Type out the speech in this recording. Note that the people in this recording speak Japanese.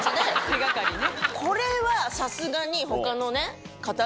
手掛かりね。